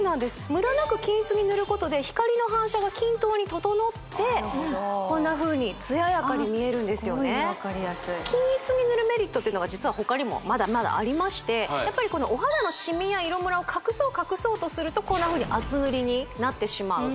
ムラなく均一に塗ることで光の反射が均等に整ってこんなふうに艶やかに見えるんですよね・すごい分かりやすい均一に塗るメリットっていうのが実は他にもまだまだありましてやっぱりお肌のシミや色ムラを隠そう隠そうとするとこんなふうに厚塗りになってしまうそうするとねこれからの時期